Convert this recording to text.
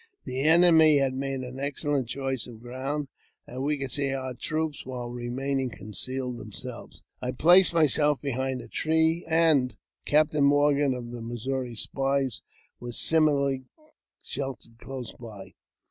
The enemy had made an excellent choice of ground, and could see our troops while remaining concealed themselves. lei ; H I JAMES P. BECKWOURTH, 341 I placed myself behind a tree, and Captain Morgan, of the Missouri Spies, was similarly sheltered close by.